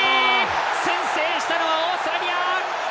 先制したのはオーストラリア！